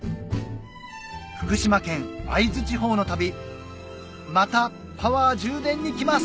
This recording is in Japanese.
福島県会津地方の旅またパワー充電に来ます